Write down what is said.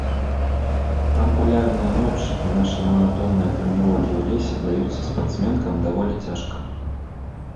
Там палярная ноч, і нашы манатонныя трэніроўкі ў лесе даюцца спартсменкам даволі цяжка.